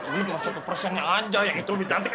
ini cuma satu persennya aja yang itu lebih cantik